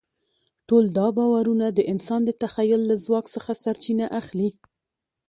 ټول دا باورونه د انسان د تخیل له ځواک څخه سرچینه اخلي.